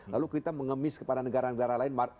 lalu kita mengemis kepada negara negara lain